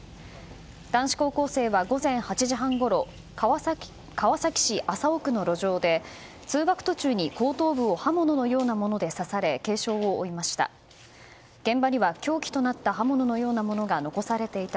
男子高校生は、午前８時半ごろ川崎市麻生区の路上で通学途中に後頭部を刃物のようなもので刺され軽傷を負いました。